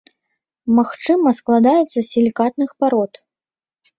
Магчыма, складаецца з сілікатных парод.